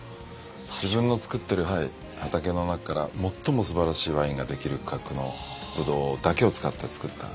自分のつくってる畑の中から最もすばらしいワインができる規格のブドウだけを使ってつくった。